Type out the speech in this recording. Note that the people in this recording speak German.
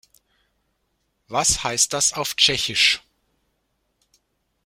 Was heißt das auf Tschechisch?